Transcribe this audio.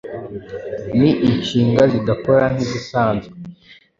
Ni inshinga zidakora nk’izisanzwe.